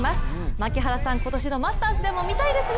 槙原さん、今年のマスターズでも見たいですね。